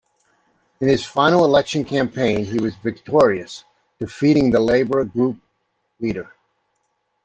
In his final election campaign he was victorious, defeating the Labour Group Leader.